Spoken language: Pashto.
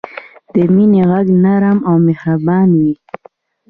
د مینې ږغ نرم او مهربان وي.